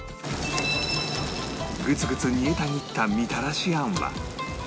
グツグツ煮えたぎったみたらし餡は